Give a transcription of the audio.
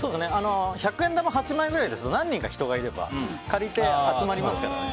百円玉８枚ぐらいですと何人か人がいれば借りて集まりますからね。